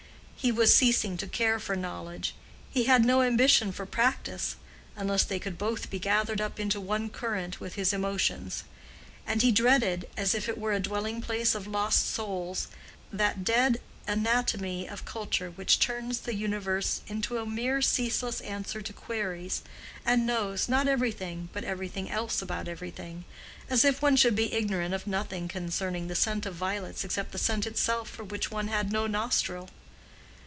He was ceasing to care for knowledge—he had no ambition for practice—unless they could both be gathered up into one current with his emotions; and he dreaded, as if it were a dwelling place of lost souls, that dead anatomy of culture which turns the universe into a mere ceaseless answer to queries, and knows, not everything, but everything else about everything—as if one should be ignorant of nothing concerning the scent of violets except the scent itself for which one had no nostril.